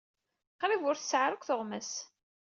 Qrib ur tesɛi ara akk tuɣmas.